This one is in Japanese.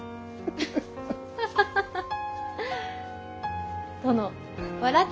フフフアハハハハッ！